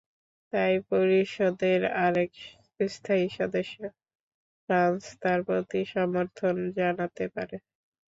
তাই পরিষদের আরেক স্থায়ী সদস্য ফ্রান্স তাঁর প্রতি সমর্থন জানাতে পারে।